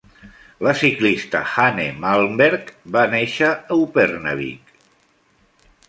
La ciclista Hanne Malmberg va néixer a Upernavik.